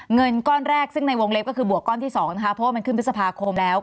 เงินก้อนแรกซึ่งในวงเล็บก็คือบวกก้อนที่๒นะคะเพราะว่ามันขึ้นพฤษภาคมแล้ว